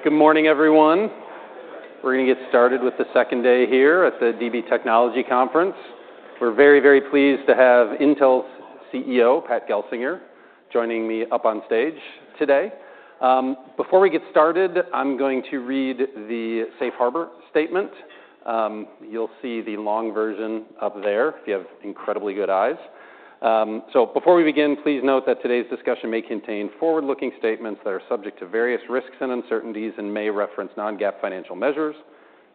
Hey, good morning, everyone. We're gonna get started with the second day here at the DB Technology Conference. We're very, very pleased to have Intel's CEO, Pat Gelsinger, joining me up on stage today. Before we get started, I'm going to read the safe harbor statement. You'll see the long version up there, if you have incredibly good eyes. So before we begin, please note that today's discussion may contain forward-looking statements that are subject to various risks and uncertainties and may reference non-GAAP financial measures.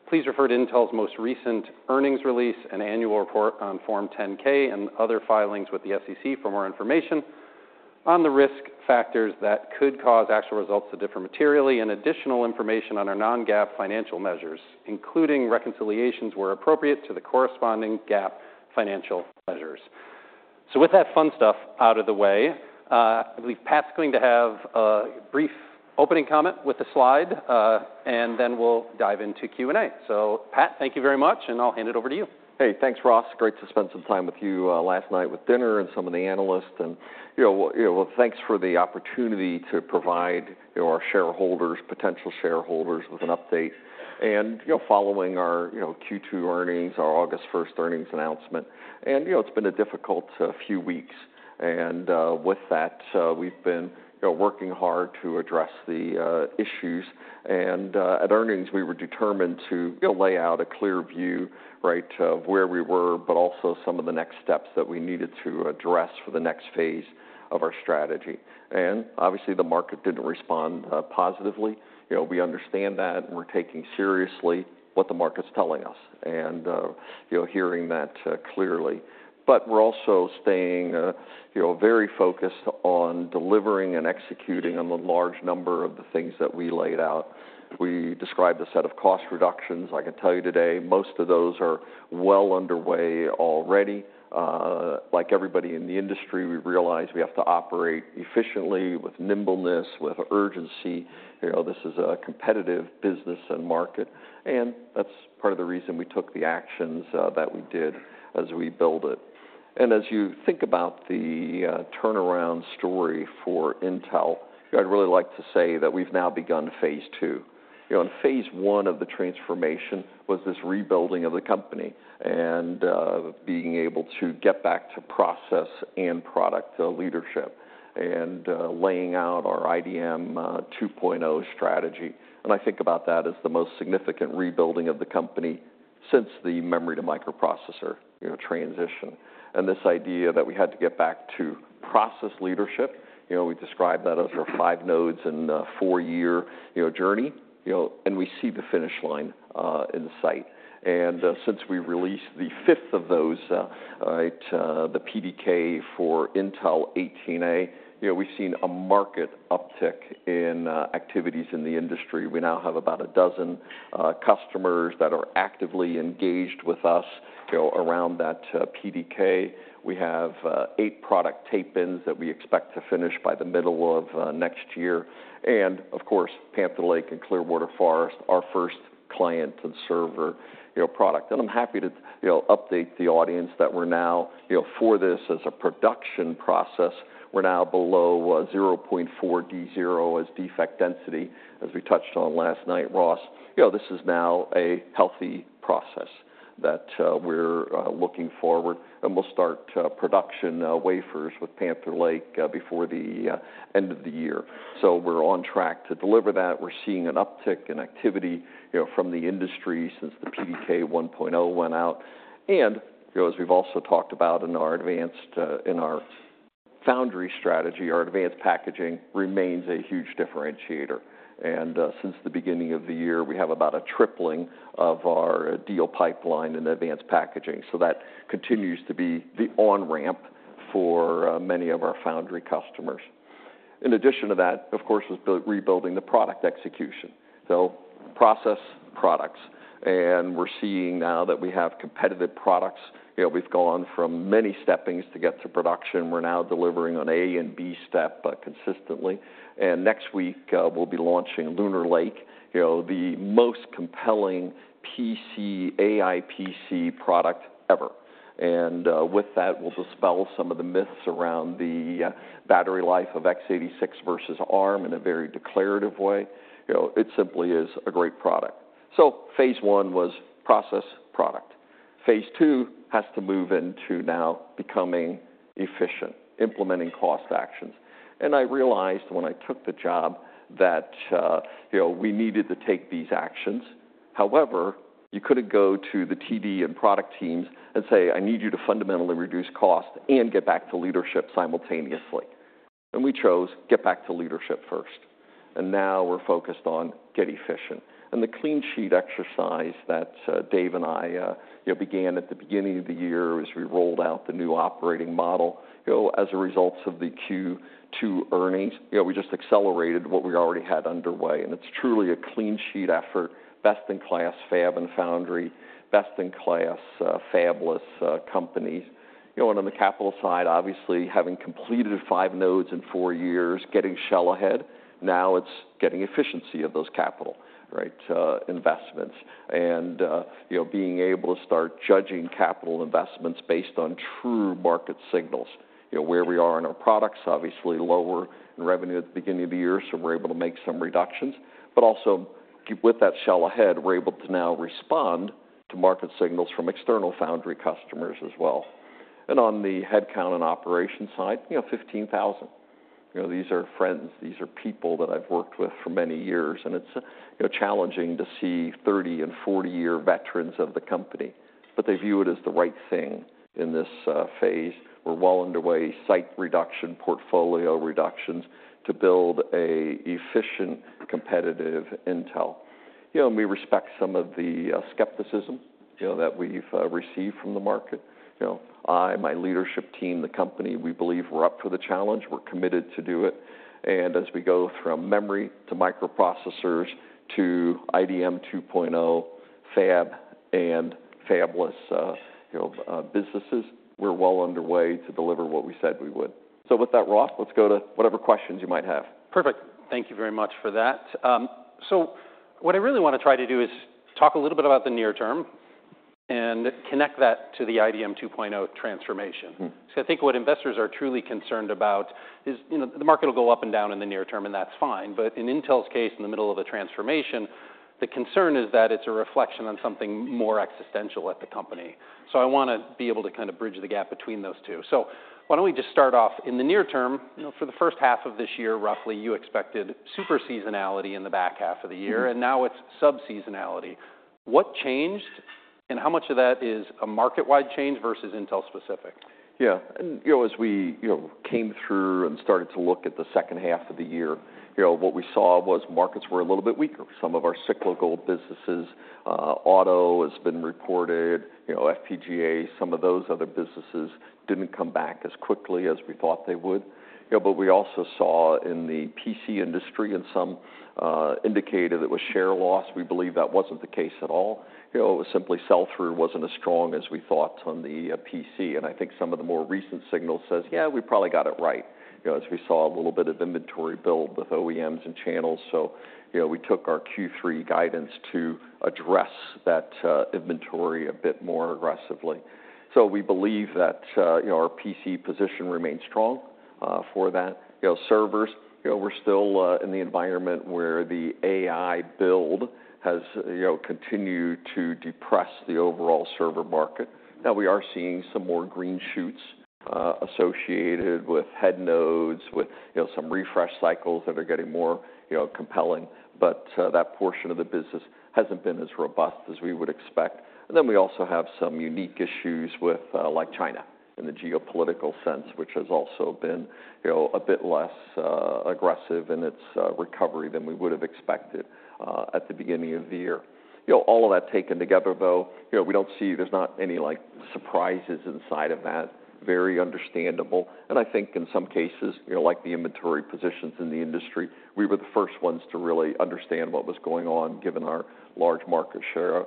Please refer to Intel's most recent earnings release and annual report on Form 10-K and other filings with the SEC for more information on the risk factors that could cause actual results to differ materially and additional information on our non-GAAP financial measures, including reconciliations where appropriate, to the corresponding GAAP financial measures. So with that fun stuff out of the way, I believe Pat's going to have a brief opening comment with a slide, and then we'll dive into Q&A. So Pat, thank you very much, and I'll hand it over to you. Hey, thanks, Ross. Great to spend some time with you last night with dinner and some of the analysts, and, you know, thanks for the opportunity to provide, you know, our shareholders, potential shareholders, with an update and, you know, following our, you know, Q2 earnings, our August 1st earnings announcement. You know, it's been a difficult few weeks, and with that, we've been, you know, working hard to address the issues, and at earnings, we were determined to, you know, lay out a clear view, right, of where we were, but also some of the next steps that we needed to address for the next phase of our strategy, and obviously, the market didn't respond positively. You know, we understand that, and we're taking seriously what the market's telling us, and, you know, hearing that, clearly, but we're also staying, you know, very focused on delivering and executing on the large number of the things that we laid out. We described a set of cost reductions. I can tell you today, most of those are well underway already. Like everybody in the industry, we realize we have to operate efficiently, with nimbleness, with urgency. You know, this is a competitive business and market, and that's part of the reason we took the actions, that we did as we build it, and as you think about the, turnaround story for Intel, I'd really like to say that we've now begun phase two. You know, and phase one of the transformation was this rebuilding of the company and being able to get back to process and product leadership and laying out our IDM 2.0 strategy, and I think about that as the most significant rebuilding of the company since the memory to microprocessor, you know, transition, and this idea that we had to get back to process leadership. You know, we described that as our five nodes and four-year, you know, journey, you know, and we see the finish line in sight, and since we released the fifth of those, right, the PDK for Intel 18A, you know, we've seen a market uptick in activities in the industry. We now have about a dozen customers that are actively engaged with us, you know, around that PDK. We have eight product tape-ins that we expect to finish by the middle of next year, and of course, Panther Lake and Clearwater Forest, our first client and server, you know, product. And I'm happy to, you know, update the audience that we're now... You know, for this as a production process, we're now below zero point four D0 as defect density, as we touched on last night, Ross. You know, this is now a healthy process that we're looking forward, and we'll start production wafers with Panther Lake before the end of the year. So we're on track to deliver that. We're seeing an uptick in activity, you know, from the industry since the PDK 1.0 went out. And, you know, as we've also talked about in our foundry strategy, our advanced packaging remains a huge differentiator. And, since the beginning of the year, we have about a tripling of our deal pipeline in advanced packaging, so that continues to be the on-ramp for many of our foundry customers. In addition to that, of course, is rebuilding the product execution, so process, products, and we're seeing now that we have competitive products. You know, we've gone from many steppings to get to production. We're now delivering on A and B step consistently, and next week, we'll be launching Lunar Lake, you know, the most compelling PC, AI PC product ever. And, with that, we'll dispel some of the myths around the battery life of x86 versus ARM in a very declarative way. You know, it simply is a great product. So phase one was process, product. Phase two has to move into now becoming efficient, implementing cost actions. And I realized when I took the job that, you know, we needed to take these actions. However, you couldn't go to the TD and product teams and say, "I need you to fundamentally reduce cost and get back to leadership simultaneously." And we chose, get back to leadership first, and now we're focused on get efficient. And the clean sheet exercise that, Dave and I, you know, began at the beginning of the year as we rolled out the new operating model, you know, as a result of the Q2 earnings, you know, we just accelerated what we already had underway, and it's truly a clean sheet effort, best-in-class fab and foundry, best-in-class, fabless, companies. You know, and on the capital side, obviously, having completed five nodes in four years, getting shell-ahead, now it's getting efficiency of those capital investments and, you know, being able to start judging capital investments based on true market signals. You know, where we are in our products, obviously, lower in revenue at the beginning of the year, so we're able to make some reductions, but also, with that shell-ahead, we're able to now respond to market signals from external foundry customers as well. And on the headcount and operation side, you know, 15,000. You know, these are friends, these are people that I've worked with for many years, and it's, you know, challenging to see 30- and 40-year veterans of the company, but they view it as the right thing in this phase. We're well underway, site reduction, portfolio reductions, to build an efficient, competitive Intel. You know, and we respect some of the skepticism, you know, that we've received from the market. You know, I, my leadership team, the company, we believe we're up for the challenge. We're committed to do it. And as we go from memory to microprocessors to IDM 2.0, fab and fabless, you know, businesses, we're well underway to deliver what we said we would. So with that, Ross, let's go to whatever questions you might have. Perfect. Thank you very much for that. So what I really want to try to do is talk a little bit about the near term and connect that to the IDM 2.0 transformation. Mm-hmm. So I think what investors are truly concerned about is, you know, the market will go up and down in the near term, and that's fine, but in Intel's case, in the middle of a transformation, the concern is that it's a reflection on something more existential at the company. So I want to be able to kind of bridge the gap between those two. So why don't we just start off, in the near term, you know, for the first half of this year, roughly, you expected super seasonality in the back half of the year and now it's sub-seasonality. What changed, and how much of that is a market-wide change versus Intel specific? Yeah. And, you know, as we, you know, came through and started to look at the second half of the year, you know, what we saw was markets were a little bit weaker. Some of our cyclical businesses, auto has been reported, you know, FPGA, some of those other businesses didn't come back as quickly as we thought they would. You know, but we also saw in the PC industry, and some indicated it was share loss, we believe that wasn't the case at all. You know, it was simply sell-through wasn't as strong as we thought on the PC, and I think some of the more recent signals says, "Yeah, we probably got it right," you know, as we saw a little bit of inventory build with OEMs and channels. You know, we took our Q3 guidance to address that inventory a bit more aggressively. We believe that, you know, our PC position remains strong for that. You know, servers, you know, we're still in the environment where the AI build has, you know, continued to depress the overall server market. Now, we are seeing some more green shoots associated with head nodes, with, you know, some refresh cycles that are getting more, you know, compelling, but that portion of the business hasn't been as robust as we would expect. Then we also have some unique issues with, like China, in the geopolitical sense, which has also been, you know, a bit less aggressive in its recovery than we would have expected at the beginning of the year. You know, all of that taken together, though, you know, we don't see. There's not any, like, surprises inside of that. Very understandable, and I think in some cases, you know, like the inventory positions in the industry, we were the first ones to really understand what was going on, given our large market share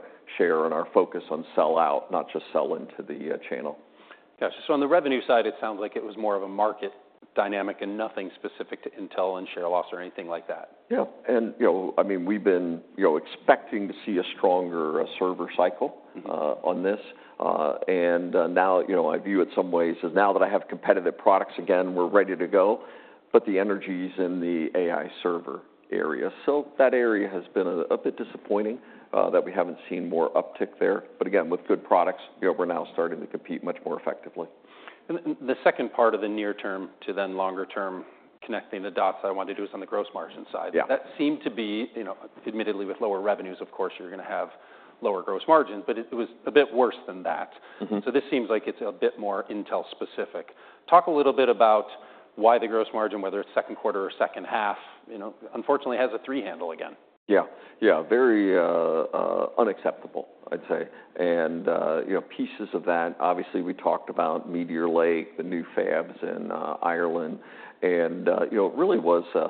and our focus on sell out, not just sell into the channel. Yeah. So on the revenue side, it sounds like it was more of a market dynamic and nothing specific to Intel and share loss or anything like that. Yeah, and you know, I mean, we've been, you know, expecting to see a stronger, server cycle on this and now, you know, I view it some ways as now that I have competitive products again, we're ready to go, but the energy's in the AI server area. So that area has been a bit disappointing that we haven't seen more uptick there, but again, with good products, you know, we're now starting to compete much more effectively. The second part of the near term to then longer term, connecting the dots, I want to do is on the gross margin side. Yeah. That seemed to be, you know, admittedly, with lower revenues, of course, you're gonna have lower gross margins, but it, it was a bit worse than that. Mm-hmm. This seems like it's a bit more Intel specific. Talk a little bit about why the gross margin, whether it's second quarter or second half, you know, unfortunately, has a three handle again? Yeah. Yeah, very unacceptable, I'd say. You know, pieces of that, obviously, we talked about Meteor Lake, the new fabs in Ireland. You know, it really was, you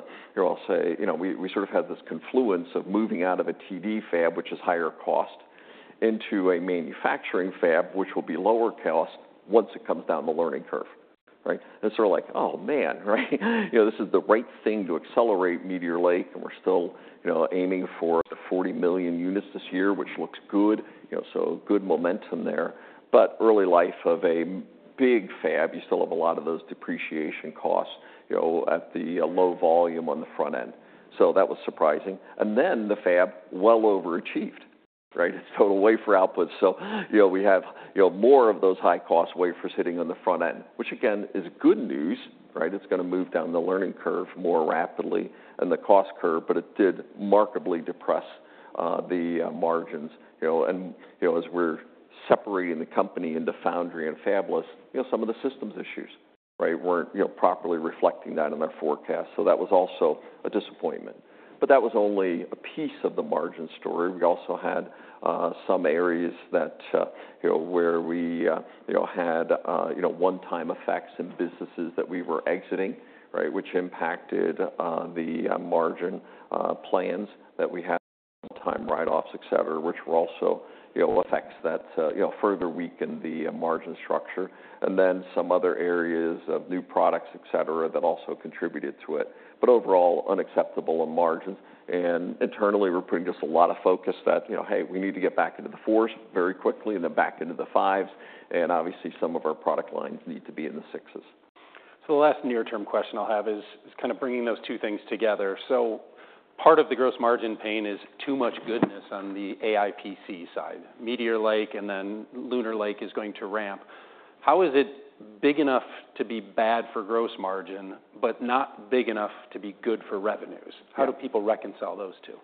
know, I'll say, we sort of had this confluence of moving out of a TD fab, which is higher cost, into a manufacturing fab, which will be lower cost once it comes down the learning curve, right? We're like, "Oh, man," right? You know, this is the right thing to accelerate Meteor Lake, and we're still aiming for 40 million units this year, which looks good, so good momentum there. Early life of a big fab, you still have a lot of those depreciation costs at the low volume on the front end. That was surprising. And then the fab well overachieved, right? Its total wafer outputs. So, you know, we have, you know, more of those high-cost wafers sitting on the front end, which, again, is good news, right? It's gonna move down the learning curve more rapidly and the cost curve, but it did remarkably depress the margins, you know. And, you know, as we're separating the company into foundry and fabless, you know, some of the systems issues, right? Weren't, you know, properly reflecting that in our forecast, so that was also a disappointment. But that was only a piece of the margin story. We also had some areas that, you know, where we, you know, had, you know, one-time effects in businesses that we were exiting, right? Which impacted the margin plans that we had-... One-time write-offs, et cetera, which were also, you know, effects that, you know, further weakened the margin structure, and then some other areas of new products, et cetera, that also contributed to it, but overall, unacceptable in margins, and internally, we're putting just a lot of focus that, you know, hey, we need to get back into the fours very quickly and then back into the fives, and obviously, some of our product lines need to be in the sixes. So the last near-term question I'll have is kind of bringing those two things together. So part of the gross margin pain is too much goodness on the AI PC side, Meteor Lake, and then Lunar Lake is going to ramp. How is it big enough to be bad for gross margin, but not big enough to be good for revenues? Yeah. How do people reconcile those two?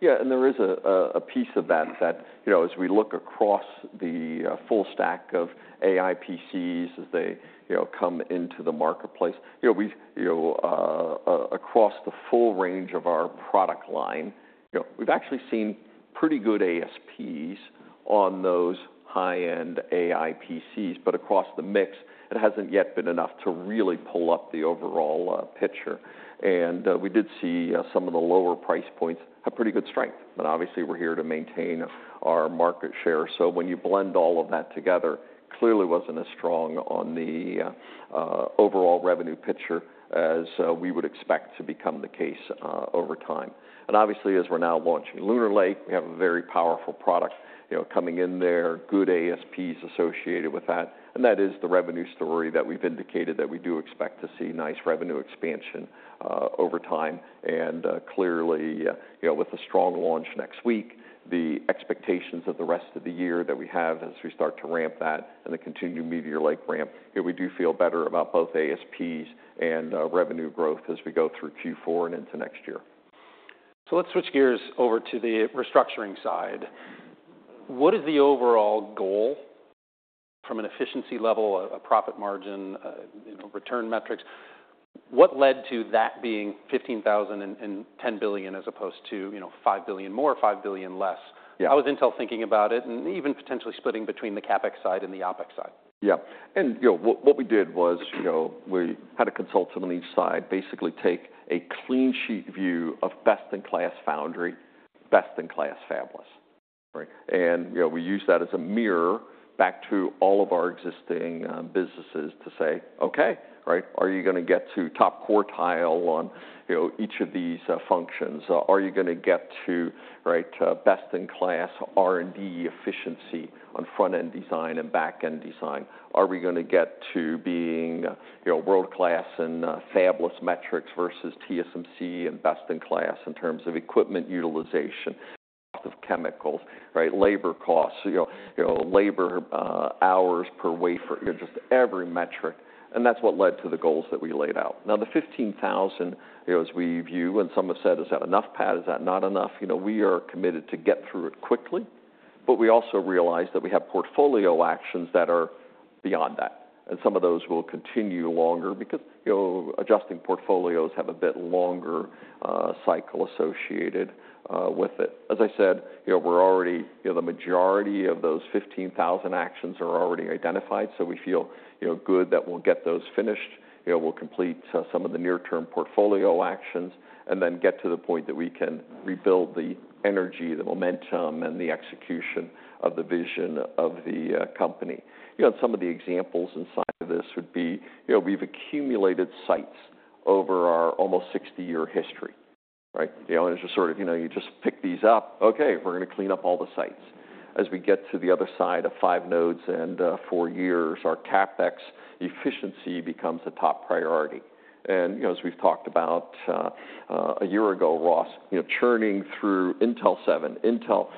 Yeah, and there is a piece of that that you know, as we look across the full stack of AI PCs, as they you know come into the marketplace, you know, we you know across the full range of our product line, you know, we've actually seen pretty good ASPs on those high-end AI PCs, but across the mix, it hasn't yet been enough to really pull up the overall picture. And we did see some of the lower price points have pretty good strength, but obviously, we're here to maintain our market share. So when you blend all of that together, clearly wasn't as strong on the overall revenue picture as we would expect to become the case over time. Obviously, as we're now launching Lunar Lake, we have a very powerful product, you know, coming in there, good ASPs associated with that, and that is the revenue story that we've indicated, that we do expect to see nice revenue expansion over time. Clearly, you know, with the strong launch next week, the expectations of the rest of the year that we have as we start to ramp that and the continued Meteor Lake ramp, here we do feel better about both ASPs and revenue growth as we go through Q4 and into next year. So let's switch gears over to the restructuring side. What is the overall goal from an efficiency level, a profit margin, you know, return metrics? What led to that being 15,000 and $10 billion, as opposed to, you know, $5 billion more or $5 billion less? Yeah. How is Intel thinking about it, and even potentially splitting between the CapEx side and the OpEx side? Yeah. And, you know, what we did was, you know, we had a consultant on each side, basically take a clean sheet view of best-in-class foundry, best-in-class fabless, right? And, you know, we used that as a mirror back to all of our existing businesses to say, "Okay, right, are you gonna get to top quartile on, you know, each of these functions? Are you gonna get to, right, best-in-class R&D efficiency on front-end design and back-end design? Are we gonna get to being, you know, world-class in fabless metrics versus TSMC and best in class in terms of equipment utilization, cost of chemicals, right? Labor costs, you know, labor hours per wafer," you know, just every metric, and that's what led to the goals that we laid out. Now, the fifteen thousand, you know, as we view, and some have said, "Is that enough, Pat, is that not enough?" You know, we are committed to get through it quickly, but we also realize that we have portfolio actions that are beyond that, and some of those will continue longer because, you know, adjusting portfolios have a bit longer cycle associated with it. As I said, you know, we're already, you know, the majority of those fifteen thousand actions are already identified, so we feel, you know, good that we'll get those finished. You know, we'll complete some of the near-term portfolio actions and then get to the point that we can rebuild the energy, the momentum, and the execution of the vision of the company. You know, and some of the examples inside of this would be, you know, we've accumulated sites over our almost sixty-year history, right? You know, and just sort of, you know, you just pick these up. Okay, we're gonna clean up all the sites. As we get to the other side of five nodes and four years, our CapEx efficiency becomes a top priority. And, you know, as we've talked about, a year ago, Ross, you know, churning through Intel 7, Intel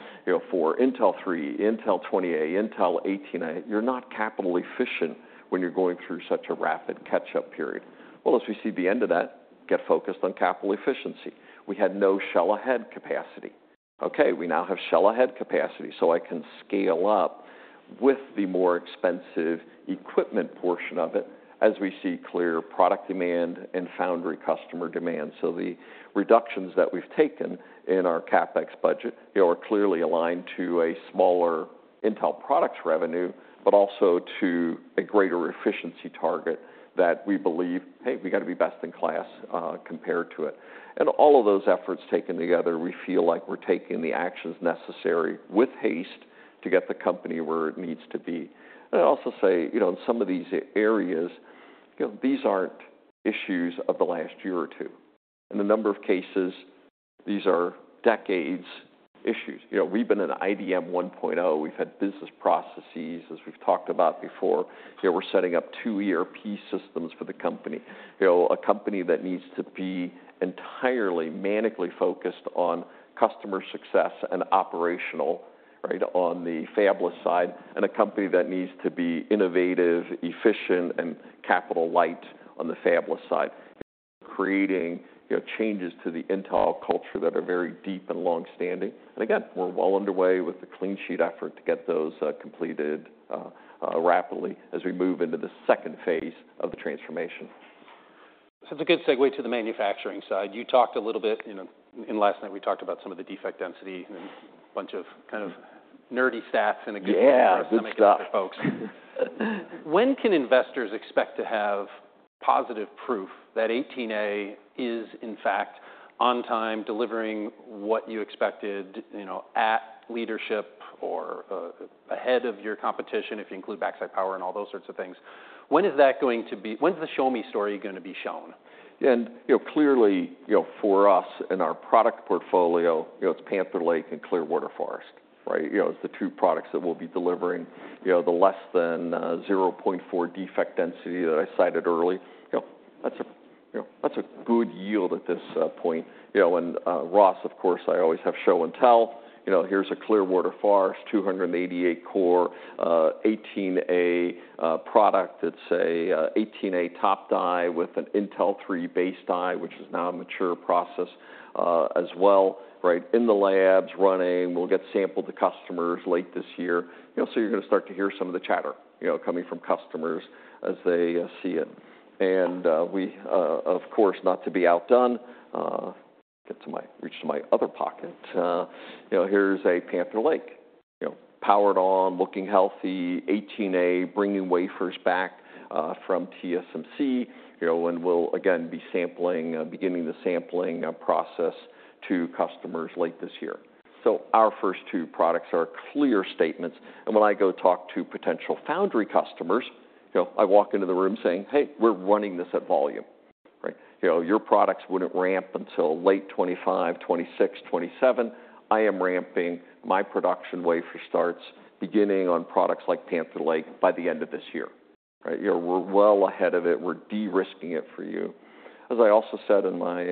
4, Intel 3, Intel 20A, Intel 18A, you're not capital efficient when you're going through such a rapid catch-up period. As we see the end of that, get focused on capital efficiency. We had no shell-ahead capacity. Okay, we now have shell-ahead capacity, so I can scale up with the more expensive equipment portion of it as we see clear product demand and foundry customer demand. So the reductions that we've taken in our CapEx budget, they are clearly aligned to a smaller Intel products revenue, but also to a greater efficiency target that we believe, hey, we got to be best in class, compared to it. And all of those efforts taken together, we feel like we're taking the actions necessary with haste to get the company where it needs to be. And I'd also say, you know, in some of these areas, you know, these aren't issues of the last year or two. In a number of cases, these are decades issues. You know, we've been an IDM 1.0. We've had business processes, as we've talked about before, you know, we're setting up two ERP systems for the company. You know, a company that needs to be entirely manically focused on customer success and operational, right, on the fabless side, and a company that needs to be innovative, efficient, and capital light on the fabless side. Creating, you know, changes to the Intel culture that are very deep and longstanding, and again, we're well underway with the clean sheet effort to get those completed rapidly as we move into the second phase of the transformation. So it's a good segue to the manufacturing side. You talked a little bit, you know, and last night, we talked about some of the defect density, bunch of kind of nerdy stats in a good way- Yeah, good stuff. for folks. When can investors expect to have positive proof that 18A is, in fact, on time, delivering what you expected, you know, at leadership or ahead of your competition, if you include backside power and all those sorts of things? When is that going to be? When's the show-me story gonna be shown? You know, clearly, you know, for us in our product portfolio, you know, it's Panther Lake and Clearwater Forest, right? You know, it's the two products that we'll be delivering. You know, the less than 0.4 defect density that I cited earlier, you know, that's a good yield at this point. You know, and Ross, of course, I always have show and tell. You know, here's a Clearwater Forest, 288-core 18A product. It's a 18A top die with an Intel 3 base die, which is now a mature process as well, right? In the labs, running. We'll get samples to customers late this year. You know, so you're gonna start to hear some of the chatter, you know, coming from customers as they see it. We, of course, not to be outdone, reach to my other pocket. You know, here's a Panther Lake, you know, powered on, looking healthy, 18A, bringing wafers back from TSMC, you know, and we'll again be sampling, beginning the sampling process to customers late this year. So our first two products are Clearwater Forest, and when I go talk to potential foundry customers, you know, I walk into the room saying, "Hey, we're running this at volume." Right? You know, your products wouldn't ramp until late 2025, 2026, 2027. I am ramping my production wafer starts, beginning on products like Panther Lake, by the end of this year. Right? You know, we're well ahead of it. We're de-risking it for you. As I also said in my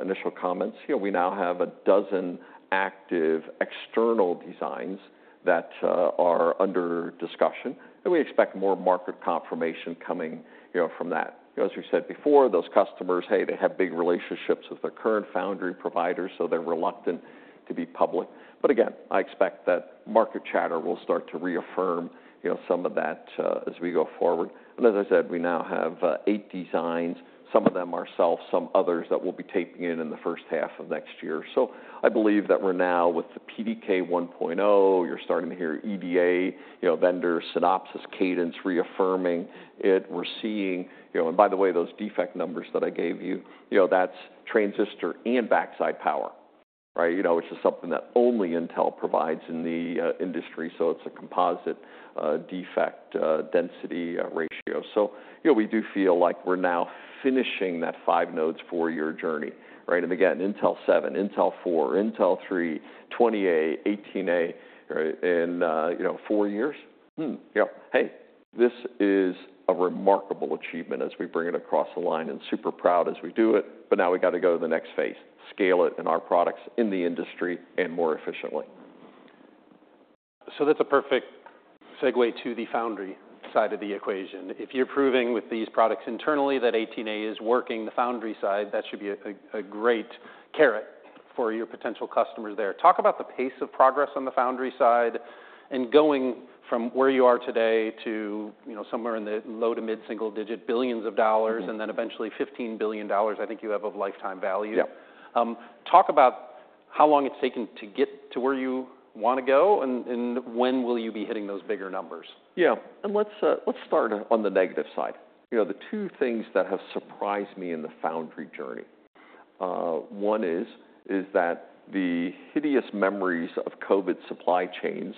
initial comments, you know, we now have a dozen active external designs that are under discussion, and we expect more market confirmation coming, you know, from that. You know, as we said before, those customers, hey, they have big relationships with their current foundry providers, so they're reluctant to be public. But again, I expect that market chatter will start to reaffirm, you know, some of that as we go forward. And as I said, we now have eight designs, some of them ourselves, some others that we'll be taking in in the first half of next year. So I believe that we're now with the PDK 1.0, you're starting to hear EDA, you know, vendor Synopsys, Cadence reaffirming it. We're seeing... You know, and by the way, those defect numbers that I gave you, you know, that's transistor and backside power, right? You know, which is something that only Intel provides in the industry, so it's a composite defect density ratio. So, you know, we do feel like we're now finishing that five nodes, four-year journey, right? And again, Intel 7, Intel 4, Intel 3, 20A, 18A, right, in four years. Hmm, yep. Hey, this is a remarkable achievement as we bring it across the line and super proud as we do it, but now we've got to go to the next phase, scale it in our products in the industry and more efficiently. So that's a perfect segue to the foundry side of the equation. If you're proving with these products internally that 18A is working the foundry side, that should be a great carrot for your potential customers there. Talk about the pace of progress on the foundry side and going from where you are today to, you know, somewhere in the low- to mid-single-digit billions of dollars and then eventually $15 billion, I think you have, of lifetime value. Yep. Talk about how long it's taken to get to where you want to go, and when will you be hitting those bigger numbers? Yeah. And let's, let's start on the negative side. You know, the two things that have surprised me in the foundry journey, one is that the hideous memories of COVID supply chains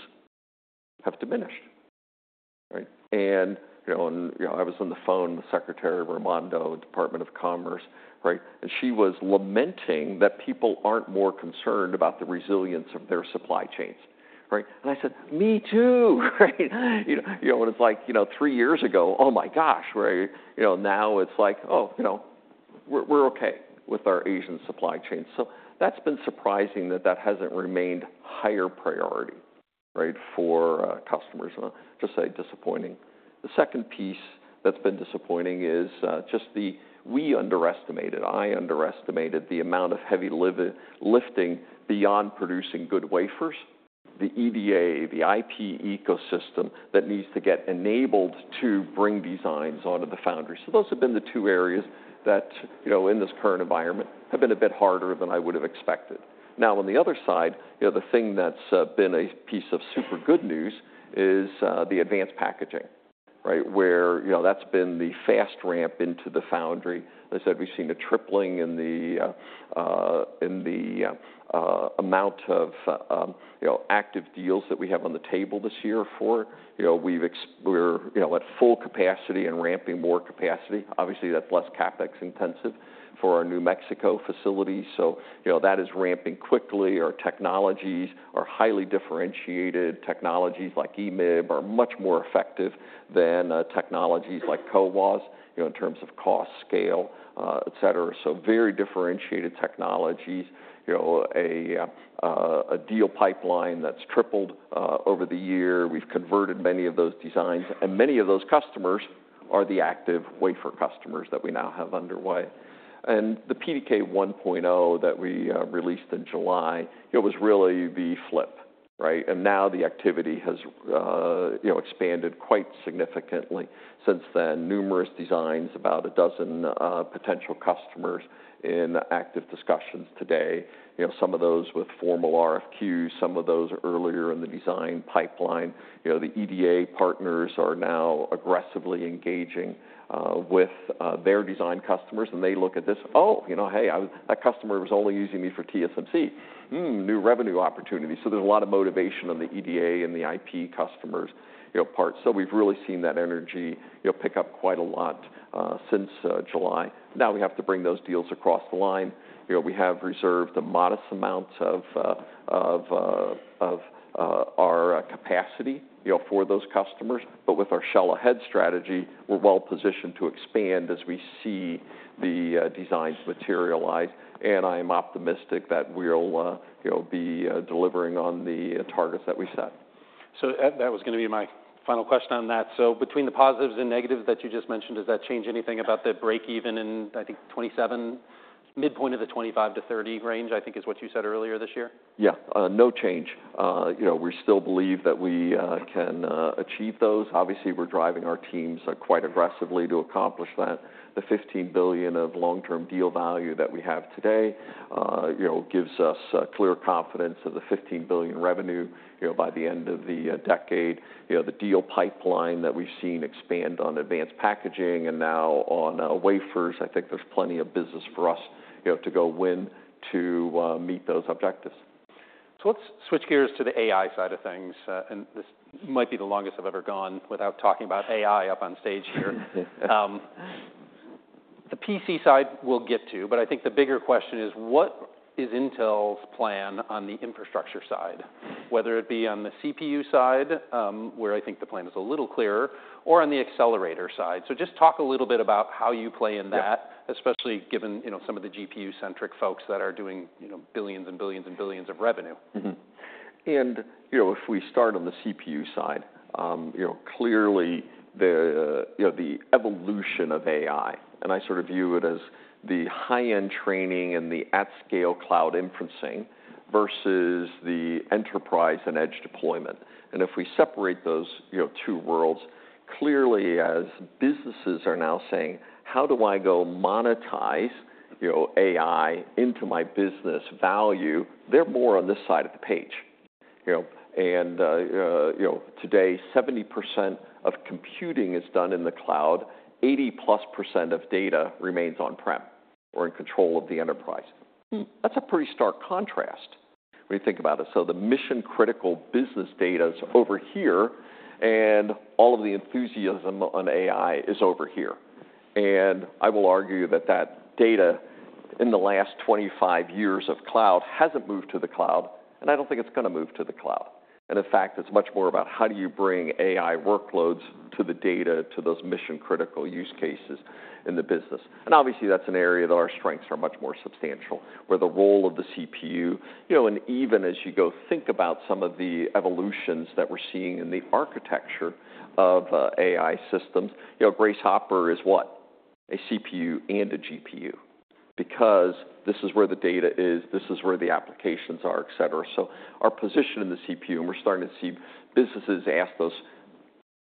have diminished, right? And, you know, I was on the phone with Secretary Raimondo, Department of Commerce, right? And she was lamenting that people aren't more concerned about the resilience of their supply chains, right? And I said, "Me too!" Right? You know, and it's like, you know, three years ago, oh, my gosh, right? You know, now it's like, oh, you know, we're okay with our Asian supply chain. So that's been surprising that hasn't remained higher priority, right, for, customers. I'll just say disappointing. The second piece that's been disappointing is, just the... We underestimated, I underestimated the amount of heavy lifting beyond producing good wafers. The EDA, the IP ecosystem that needs to get enabled to bring designs onto the foundry. So those have been the two areas that, you know, in this current environment, have been a bit harder than I would have expected. Now, on the other side, you know, the thing that's been a piece of super good news is the advanced packaging, right? Where, you know, that's been the fast ramp into the foundry. As I said, we've seen a tripling in the amount of, you know, active deals that we have on the table this year for. You know, we're at full capacity and ramping more capacity. Obviously, that's less CapEx intensive for our New Mexico facility. So, you know, that is ramping quickly. Our technologies are highly differentiated. Technologies like EMIB are much more effective than, technologies like CoWoS, you know, in terms of cost, scale, et cetera. So very differentiated technologies. You know, a deal pipeline that's tripled over the year. We've converted many of those designs, and many of those customers are the active wafer customers that we now have underway. And the PDK 1.0 that we released in July, it was really the flip, right? And now the activity has, you know, expanded quite significantly since then. Numerous designs, about a dozen potential customers in active discussions today. You know, some of those with formal RFQs, some of those are earlier in the design pipeline. You know, the EDA partners are now aggressively engaging with their design customers, and they look at this, "Oh, you know, hey, that customer was only using me for TSMC. Hmm, new revenue opportunity." So there's a lot of motivation on the EDA and the IP customers', you know, part. So we've really seen that energy, you know, pick up quite a lot since July. Now we have to bring those deals across the line. You know, we have reserved a modest amount of our capacity, you know, for those customers. But with our shell-ahead strategy, we're well positioned to expand as we see the designs materialize, and I am optimistic that we'll, you know, be delivering on the targets that we set. So, Pat, that was gonna be my final question on that. So between the positives and negatives that you just mentioned, does that change anything about the break-even in, I think, 2027, midpoint of the 2025-2030 range, I think, is what you said earlier this year? Yeah, no change. You know, we still believe that we can achieve those. Obviously, we're driving our teams quite aggressively to accomplish that. The $15 billion of long-term deal value that we have today, you know, gives us clear confidence of the $15 billion revenue, you know, by the end of the decade. You know, the deal pipeline that we've seen expand on advanced packaging and now on wafers, I think there's plenty of business for us, you know, to go win to meet those objectives. So let's switch gears to the AI side of things, and this might be the longest I've ever gone without talking about AI up on stage here. The PC side, we'll get to, but I think the bigger question is: What is Intel's plan on the infrastructure side? Whether it be on the CPU side, where I think the plan is a little clearer, or on the accelerator side. So just talk a little bit about how you play in that- Yeah.... especially given, you know, some of the GPU-centric folks that are doing, you know, billions and billions and billions of revenue. Mm-hmm. And, you know, if we start on the CPU side, you know, clearly, the evolution of AI, and I sort of view it as the high-end training and the at-scale cloud inferencing versus the enterprise and edge deployment, and if we separate those, you know, two worlds, clearly, as businesses are now saying: "How do I go monetize, you know, AI into my business value?" They're more on this side of the page, you know. And, you know, today, 70% of computing is done in the cloud. 80+% of data remains on-prem or in control of the enterprise. Hmm. That's a pretty stark contrast when you think about it. So the mission-critical business data's over here, and all of the enthusiasm on AI is over here. And I will argue that that data, in the last twenty-five years of cloud, hasn't moved to the cloud, and I don't think it's gonna move to the cloud. And in fact, it's much more about how do you bring AI workloads to the data, to those mission-critical use cases in the business? And obviously, that's an area that our strengths are much more substantial, where the role of the CPU... You know, and even as you go think about some of the evolutions that we're seeing in the architecture of, AI systems, you know, Grace Hopper is what? A CPU and a GPU, because this is where the data is, this is where the applications are, et cetera. So our position in the CPU, and we're starting to see businesses ask us: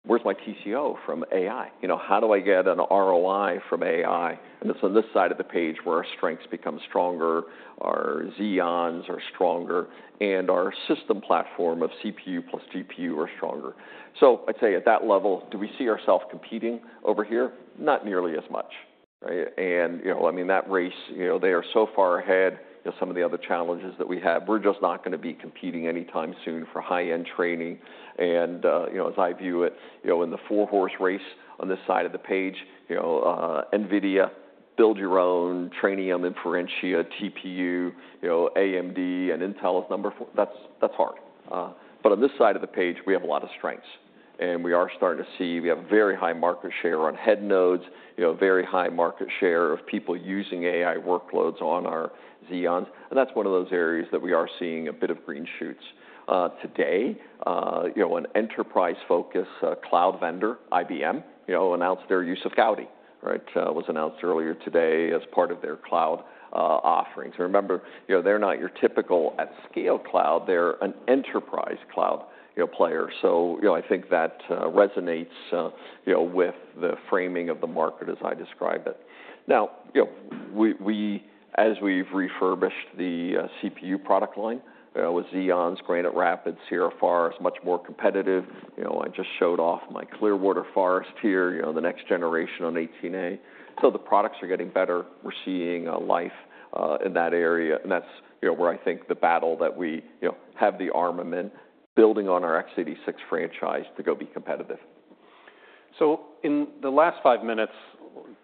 "Where's my TCO from AI?" You know, "How do I get an ROI from AI?" And it's on this side of the page where our strengths become stronger, our Xeons are stronger, and our system platform of CPU plus GPU are stronger. So I'd say, at that level, do we see ourself competing over here? Not nearly as much, right? And, you know, I mean, that race, you know, they are so far ahead in some of the other challenges that we have. We're just not gonna be competing anytime soon for high-end training. And, you know, as I view it, you know, in the four-horse race on this side of the page, you know, NVIDIA, build your own, Trainium, Inferentia, TPU, you know, AMD, and Intel is number four. That's hard. But on this side of the page, we have a lot of strengths, and we are starting to see we have very high market share on head nodes, you know, very high market share of people using AI workloads on our Xeons, and that's one of those areas that we are seeing a bit of green shoots. Today, you know, an enterprise-focused cloud vendor, IBM, you know, announced their use of Gaudi, right? It was announced earlier today as part of their cloud offerings. Remember, you know, they're not your typical at-scale cloud, they're an enterprise cloud, you know, player. So, you know, I think that resonates, you know, with the framing of the market as I described it. Now, you know, we, we. As we've refurbished the CPU product line with Xeons, Granite Rapids, Sierra Forest is much more competitive. You know, I just showed off my Clearwater Forest here, you know, the next generation on 18A. So the products are getting better. We're seeing life in that area, and that's, you know, where I think the battle that we, you know, have the armament, building on our x86 franchise to go be competitive. In the last five minutes,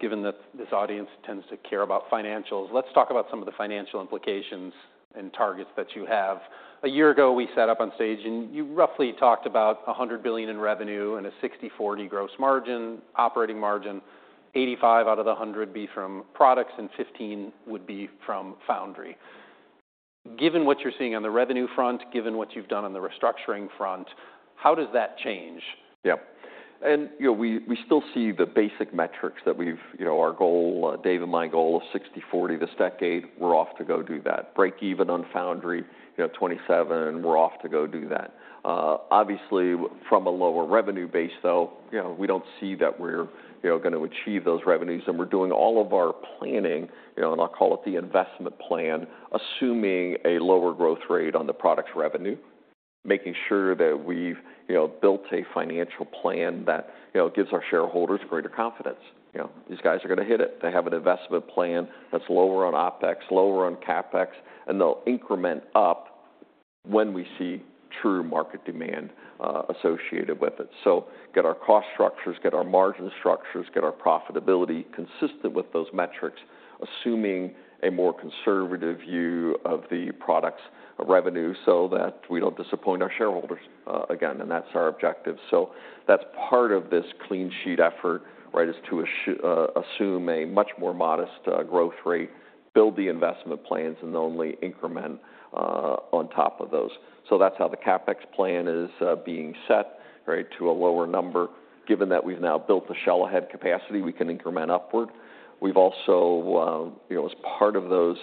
given that this audience tends to care about financials, let's talk about some of the financial implications and targets that you have. A year ago, we sat up on stage, and you roughly talked about $100 billion in revenue and a 60/40 gross margin, operating margin, 85 out of the 100 be from products, and 15 would be from foundry. Given what you're seeing on the revenue front, given what you've done on the restructuring front, how does that change? Yeah. And you know, we still see the basic metrics that we've you know, our goal, Dave and my goal of 60/40 this decade, we're off to go do that. Break even on foundry you know, 2027, we're off to go do that. Obviously, from a lower revenue base, though, you know, we don't see that we're you know, gonna achieve those revenues, and we're doing all of our planning you know, and I'll call it the investment plan, assuming a lower growth rate on the products revenue, making sure that we've you know, built a financial plan that you know, gives our shareholders greater confidence. You know, these guys are gonna hit it. They have an investment plan that's lower on OpEx, lower on CapEx, and they'll increment up when we see true market demand associated with it. So get our cost structures, get our margin structures, get our profitability consistent with those metrics, assuming a more conservative view of the products revenue so that we don't disappoint our shareholders, again, and that's our objective. So that's part of this clean sheet effort, right? Is to assume a much more modest growth rate, build the investment plans, and only increment on top of those. So that's how the CapEx plan is being set, right, to a lower number. Given that we've now built the shell-ahead capacity, we can increment upward. We've also, you know, as part of those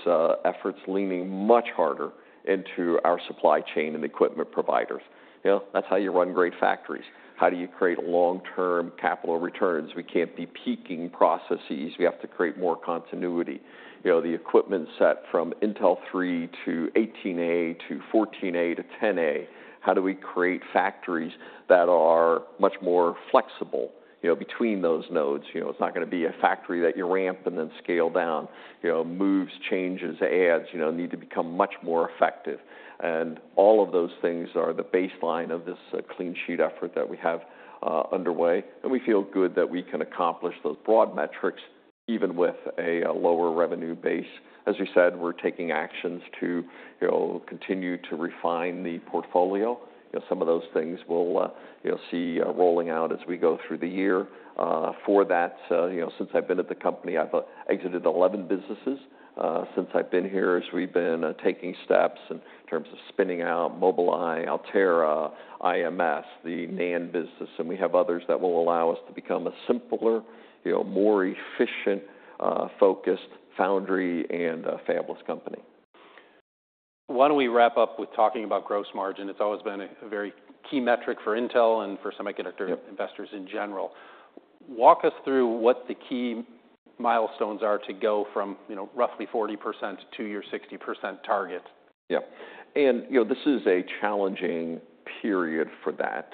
efforts, leaning much harder into our supply chain and equipment providers. You know, that's how you run great factories. How do you create long-term capital returns? We can't be peaking processes. We have to create more continuity. You know, the equipment set from Intel 3 to 18A to 14A to 10A, how do we create factories that are much more flexible, you know, between those nodes? You know, it's not gonna be a factory that you ramp and then scale down. You know, moves, changes, adds, you know, need to become much more effective, and all of those things are the baseline of this, clean sheet effort that we have, underway, and we feel good that we can accomplish those broad metrics, even with a, lower revenue base. As you said, we're taking actions to, you know, continue to refine the portfolio. You know, some of those things we'll, you know, see, rolling out as we go through the year. For that, you know, since I've been at the company, I've, exited eleven businesses. Since I've been here, as we've been taking steps in terms of spinning out Mobileye, Altera, IMS, the NAND business, and we have others that will allow us to become a simpler, you know, more efficient, focused foundry and a fabless company. Why don't we wrap up with talking about gross margin? It's always been a very key metric for Intel and for semiconductor- Yep. - investors in general. Walk us through what the key milestones are to go from, you know, roughly 40% to your 60% target? Yep, and, you know, this is a challenging period for that.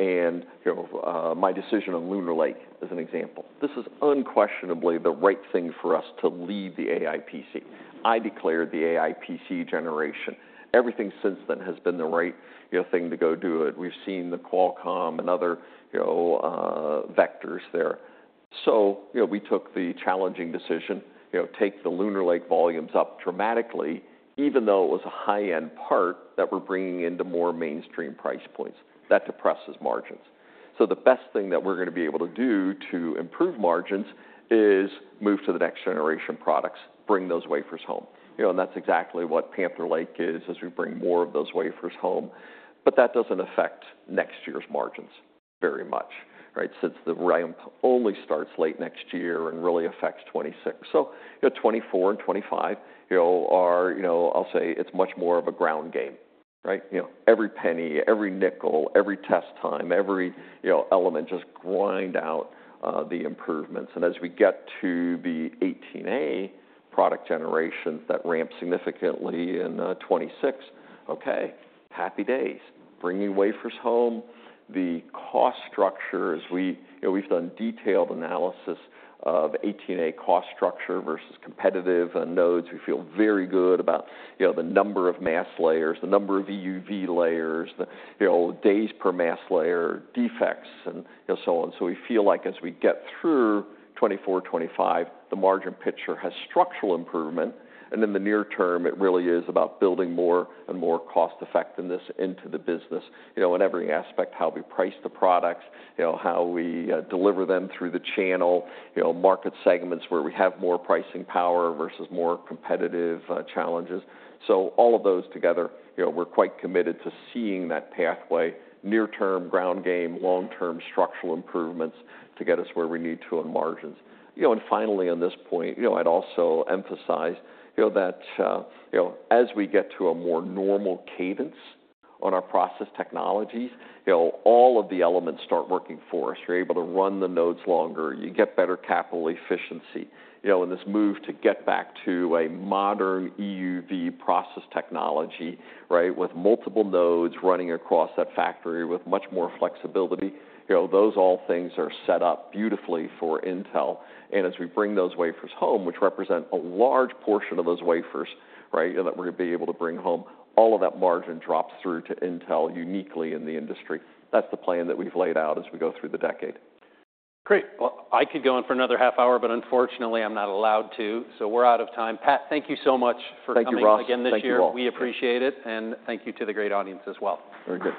And, you know, my decision on Lunar Lake, as an example, this is unquestionably the right thing for us to lead the AI PC. I declared the AI PC generation. Everything since then has been the right, you know, thing to go do it. We've seen the Qualcomm and other, you know, vectors there. So, you know, we took the challenging decision, you know, take the Lunar Lake volumes up dramatically, even though it was a high-end part that we're bringing into more mainstream price points. That depresses margins. So the best thing that we're gonna be able to do to improve margins is move to the next generation products, bring those wafers home. You know, and that's exactly what Panther Lake is, as we bring more of those wafers home. But that doesn't affect next year's margins very much, right? Since the ramp only starts late next year and really affects 2026. So, you know, 2024 and 2025, you know, are, you know, I'll say it's much more of a ground game, right? You know, every penny, every nickel, every test time, every, you know, element, just grind out the improvements. And as we get to the 18A product generation that ramps significantly in 2026, okay, happy days. Bring new wafers home. The cost structure, as we, you know, we've done detailed analysis of 18A cost structure versus competitive nodes. We feel very good about, you know, the number of mask layers, the number of EUV layers, the, you know, days per mask layer, defects, and, and so on. So we feel like as we get through 2024, 2025, the margin picture has structural improvement, and in the near term, it really is about building more and more cost effectiveness into the business, you know, in every aspect, how we price the products, you know, how we deliver them through the channel, you know, market segments where we have more pricing power versus more competitive challenges. So all of those together, you know, we're quite committed to seeing that pathway, near-term ground game, long-term structural improvements to get us where we need to on margins. You know, and finally, on this point, you know, I'd also emphasize, you know, that you know, as we get to a more normal cadence on our process technologies, you know, all of the elements start working for us. You're able to run the nodes longer, you get better capital efficiency, you know, and this move to get back to a modern EUV process technology, right, with multiple nodes running across that factory with much more flexibility, you know, those all things are set up beautifully for Intel. And as we bring those wafers home, which represent a large portion of those wafers, right, that we're gonna be able to bring home, all of that margin drops through to Intel uniquely in the industry. That's the plan that we've laid out as we go through the decade. Great! Well, I could go on for another half hour, but unfortunately, I'm not allowed to, so we're out of time. Pat, thank you so much for coming- Thank you, Ross. again this year. Thank you, all. We appreciate it, and thank you to the great audience as well. Very good.